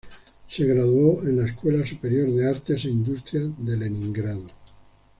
Se graduó en la Escuela Superior de Artes e Industrias de Leningrado.